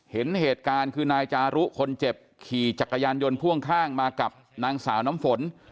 เห็นเหตุการณ์คือนายจารุคนเจ็บขี่จักรยานยนต์พ่วงข้างมากับนางสาวน้ำฝน